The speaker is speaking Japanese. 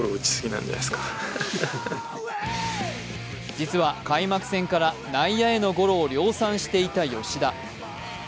実は開幕戦から内野へのゴロを量産していた吉田。